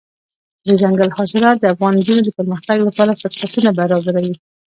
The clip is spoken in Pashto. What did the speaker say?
دځنګل حاصلات د افغان نجونو د پرمختګ لپاره فرصتونه برابروي.